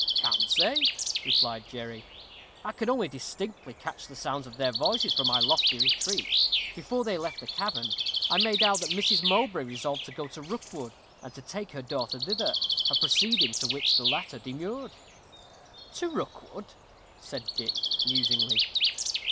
"Can't say," replied Jerry. "I could only indistinctly catch the sounds of their voices from my lofty retreat. Before they left the cavern, I made out that Mrs. Mowbray resolved to go to Rookwood, and to take her daughter thither a proceeding to which the latter demurred." "To Rookwood," said Dick, musingly.